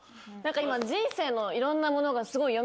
今人生のいろんなものがすごい蘇って。